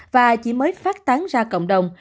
và chỉ mới phát tán ra cộng đồng